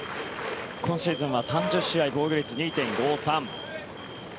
今シーズンは３０試合防御率